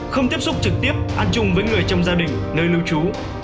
không tiếp xúc trực tiếp ăn chung với người trong gia đình nơi lưu trú